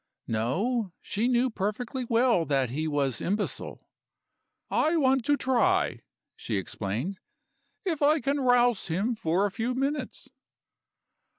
No; she knew perfectly well that he was imbecile. 'I want to try,' she explained, 'if I can rouse him for a few minutes.